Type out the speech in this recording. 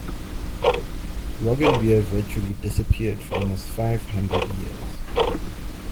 Roggenbier virtually disappeared for almost five hundred years.